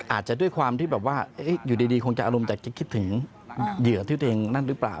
อาจจะด้วยความที่แบบว่าอยู่ดีคงจะอารมณ์แต่จะคิดถึงเหยื่อที่ตัวเองนั่นหรือเปล่า